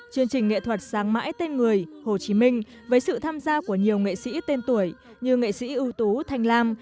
chương trình nghệ thuật sáng mãi tên người hồ chí minh với sự tham gia của nhiều nghệ sĩ tên tuổi như nghệ sĩ ưu tú thanh lam